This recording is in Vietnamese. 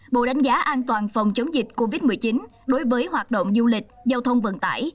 bộ đánh giá an toàn phòng chống dịch covid một mươi chín đối với hoạt động du lịch giao thông vận tải